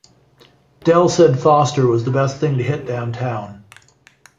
Dell said Foster was the best thing to hit downtown.